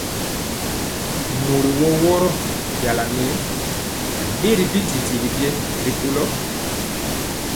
Mori woro woro njala nɛɛ adɛri bidigi biɛ rikolo.